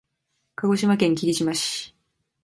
鹿児島県霧島市